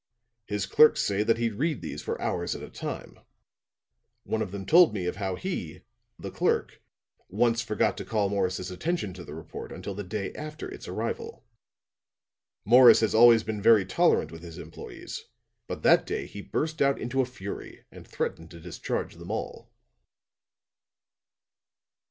His clerks say that he'd read these for hours at a time; one of them told me of how he (the clerk) once forgot to call Morris's attention to the report until the day after its arrival. Morris has always been very tolerant with his employees, but that day he burst out in a fury and threatened to discharge them all.